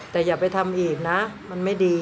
แต่อย่าไปทำอีกนะมันไม่ดี